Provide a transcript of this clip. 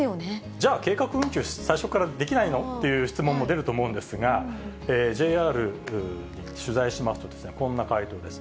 じゃあ、計画運休、最初からできないの？っていう質問も出ると思うんですが、ＪＲに取材しますと、こんな回答です。